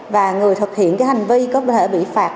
và người thực hiện cái hành vi có thể bị phạt